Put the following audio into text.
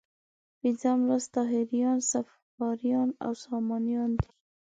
پنځم لوست طاهریان، صفاریان او سامانیان دي.